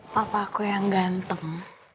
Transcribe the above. papaku yang ganteng